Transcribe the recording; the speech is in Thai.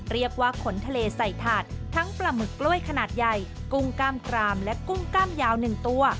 เรียกว่าขนทะเลใส่ถาดทั้งปลาหมึกกล้วยขนาดใหญ่กุ้งกล้ามกรามและกุ้งกล้ามยาว๑ตัว